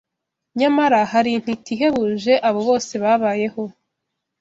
nyamara, hari INTITI ihebuje abo bose babayeho